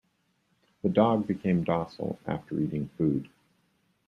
The dog became docile after eating food.